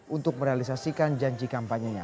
untuk merealisasikan janji kampanye nya